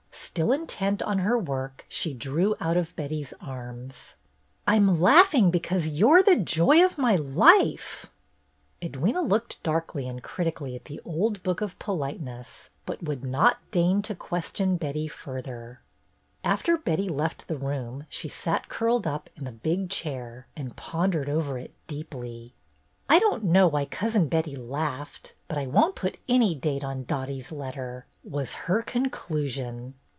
Still intent on her work, she drew out of Betty's arms. "I'm laughing because you're the joy of my life 1" 240 BETTY BAIRD'S GOLDEN YEAR Edwyna looked darkly and critically at the old book of politeness, but would not deign to question Betty further. After Betty left the room she sat curled up in the big chair and pondered over it deeply. "I don't know why Cousin Betty laughed, but I won't put any date on Dottie's letter," was her conclusion.